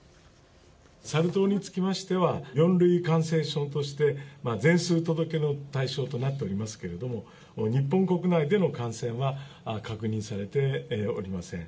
サル痘につきましては、４類感染症として、全数届けの対象となっておりますけれども、日本国内での感染は確認されておりません。